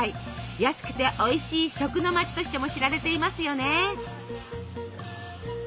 安くておいしい食の街としても知られていますよね。